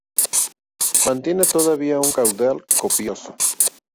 Mantiene todavía un caudal copioso.